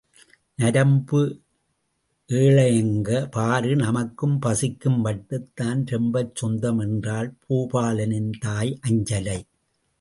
நாம்ப ஏழைங்க பாரு நமக்கும் பசிக்கும் மட்டும்தான் ரொம்பச் சொந்தம் என்றாள் பூபாலனின் தாய் அஞ்சலை.